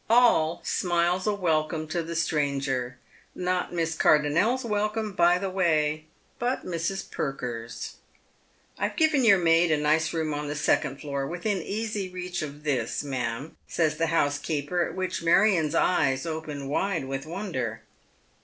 All smiles a welcome to th« etranger — not Mas Cardonnel's welcome, by the way, but Mi s. Perker's. " I've given yonr maid a nice room on the second floor, within 196 Dead Metis Shoes. easy reach of this, ma'am," says the housekeepet, at which Marion's eyes open wide with wonder.